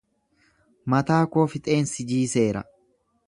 Mataa koo fixeensi jiiseera.